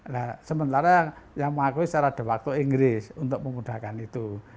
nah sementara yang mengakui secara de facto inggris untuk memudahkan itu